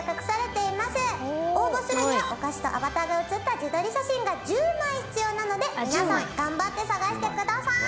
応募するにはお菓子とアバターが写った自撮り写真が１０枚必要なので皆さん頑張って探してください。